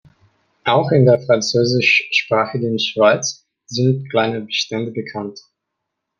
Auch in der französischsprachigen Schweiz sind kleine Bestände bekannt.